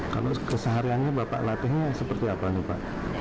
kalau sehari hari bapak latihnya seperti apa